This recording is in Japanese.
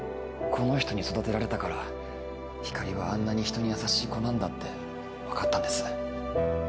この人に育てられたから光莉はあんなにひとに優しい子なんだって分かったんです。